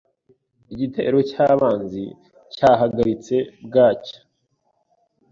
Igitero cyabanzi cyahagaritse bwacya.